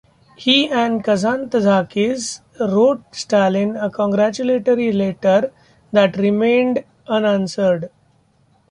He and Kazantzakis wrote Stalin a congratulatory letter that remained unanswered.